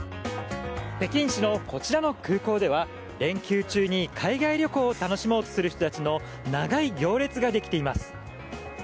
北京市の、こちらの空港では連休中に海外旅行を楽しもうとする人たちの長い行列ができています。